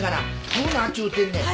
食うなちゅうてんねん。